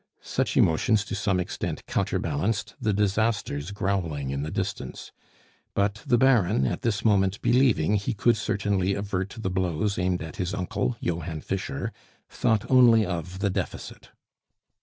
Such emotions to some extent counterbalanced the disasters growling in the distance; but the Baron, at this moment believing he could certainly avert the blows aimed at his uncle, Johann Fischer, thought only of the deficit.